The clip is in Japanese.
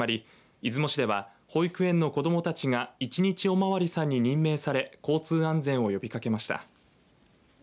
出雲市では保育園の子どもたちが１日おまわりさんに任命され交通安全を呼びかけました。